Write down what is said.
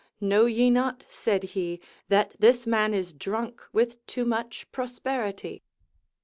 "Know ye not," said he, "that this man is drunk with too much prosperity?"